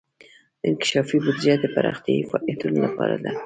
انکشافي بودیجه د پراختیايي فعالیتونو لپاره ده.